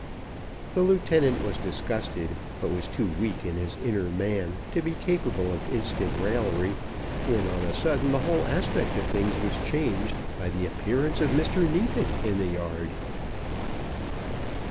The lieutenant was disgusted, but was too weak in his inner man to be capable of instant raillery; when, on a sudden, the whole aspect of things was changed by the appearance of Mr. Neefit in the yard.